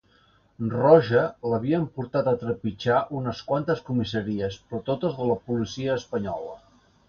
Roja, l'havien portat a trepitjar unes quantes comissaries, però totes de la policia espanyola.